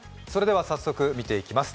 早速、見ていきます。